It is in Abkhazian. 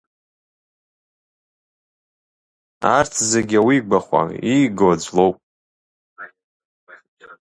Арҭ зегьы ауигахәа, иигауа аӡә лоуп!